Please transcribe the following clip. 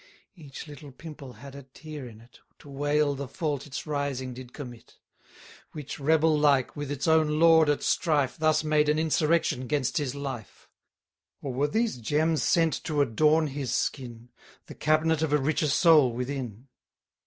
Each little pimple had a tear in it, To wail the fault its rising did commit: 60 Which, rebel like, with its own lord at strife, Thus made an insurrection 'gainst his life. Or were these gems sent to adorn his skin, The cabinet of a richer soul within?